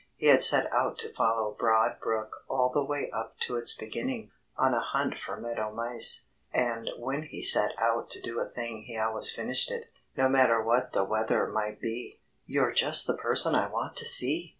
He had set out to follow Broad Brook all the way up to its beginning, on a hunt for meadow mice. And when he set out to do a thing he always finished it, no matter what the weather might be. "You're just the person I want to see!"